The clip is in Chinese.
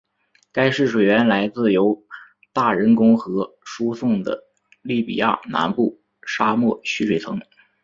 该市水源来自由大人工河输送的利比亚南部沙漠蓄水层。